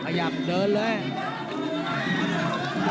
ขยับเดินเลย